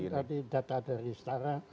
terima kasih sekali tadi data dari istara